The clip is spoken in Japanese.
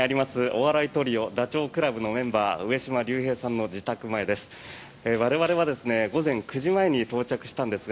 お笑いトリオダチョウ倶楽部のメンバー上島竜兵さんの自宅前です。